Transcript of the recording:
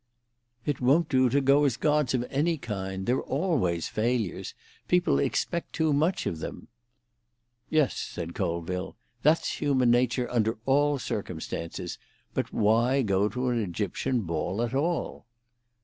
"It won't do to go as gods of any kind. They're always failures. People expect too much of them." "Yes," said Colville. "That's human nature under all circumstances. But why go to an Egyptian ball at all?"